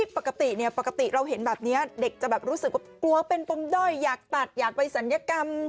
ปกติเนี่ยปกติเราเห็นแบบนี้เด็กจะแบบรู้สึกว่ากลัวเป็นปมด้อยอยากตัดอยากไปศัลยกรรม